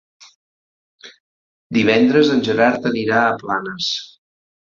Divendres en Gerard anirà a Planes.